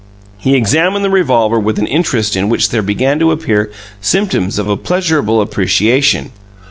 He examined the revolver with an interest in which there began to appear symptoms of a pleasurable appreciation.